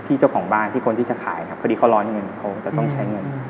เจ้าของบ้านที่คนที่จะขายครับพอดีเขาร้อนเงินเขาจะต้องใช้เงิน